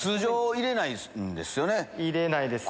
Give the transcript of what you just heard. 入れないですね。